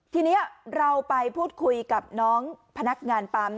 ทีนี้เราไปพูดคุยกับน้องพนักงานปั๊ม